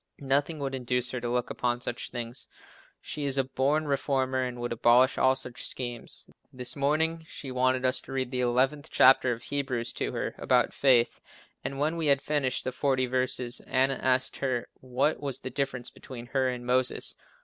Nothing would induce her to look upon such things. She is a born reformer and would abolish all such schemes. This morning she wanted us to read the 11th chapter of Hebrews to her, about faith, and when we had finished the forty verses, Anna asked her what was the difference between her and Moses.